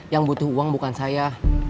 yang butuh uang bukan saya